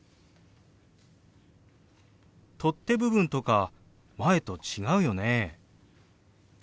取っ手部分とか前と違うよね？